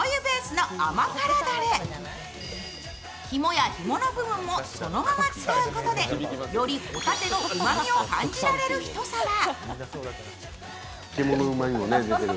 肝やひもの部分もそのまま使うことで、より帆立てのうまみを感じられる一皿。